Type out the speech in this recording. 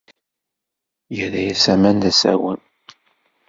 Yerra-as aman d asawen.